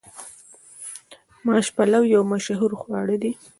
ماش پلو یو مشهور خواړه دي.